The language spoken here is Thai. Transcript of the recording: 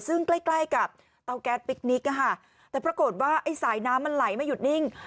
ซึ่งใกล้ใกล้กับเตาแก๊สปิ๊กนิกแต่ปรากฏว่าไอ้สายน้ำมันไหลไม่หยุดนิ่ง